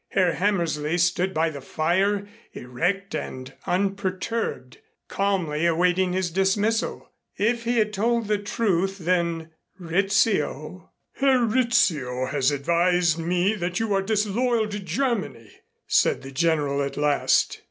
Herr Hammersley stood by the fire, erect and unperturbed, calmly awaiting his dismissal. If he had told the truth, then Rizzio "Herr Rizzio has advised me that you are disloyal to Germany," said the General at last.